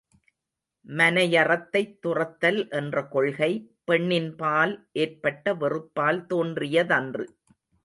மனையறத்தைத் துறத்தல் என்ற கொள்கை, பெண்ணின்பால் ஏற்பட்ட வெறுப்பால் தோன்றியதன்று.